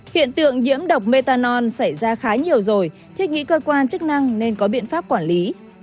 hiện tượng nhiễm độc metanol xảy ra khá nhiều rồi thiết nghĩ cơ quan chức năng nên có biện pháp quản lý